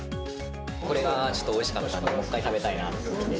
これがちょっとおいしかったので、もう一回食べたいなと思って。